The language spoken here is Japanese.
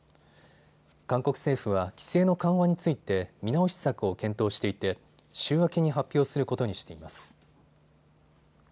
韓国政府は規制の緩和について見直し策を検討していて週明けに発表することにしています。